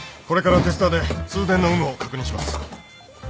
これからテスターで通電の有無を確認します。